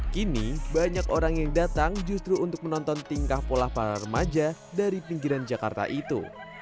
kini banyak orang yang datang justru untuk menonton tingkah pola para remaja dari pinggiran jakarta itu